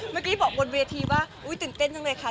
เมื่อกี้บอกบนเวทีว่าอุ๊ยตื่นเต้นจังเลยค่ะ